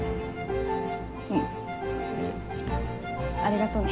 うん。ありがとね。